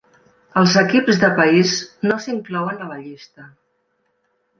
Els equips de país no s'inclouen a la llista.